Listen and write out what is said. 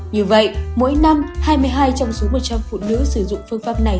như vậy mỗi năm hai mươi hai trong số một trăm linh phụ nữ sử dụng phương pháp này